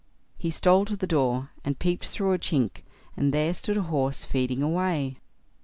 He stole to the door, and peeped through a chink, and there stood a horse feeding away.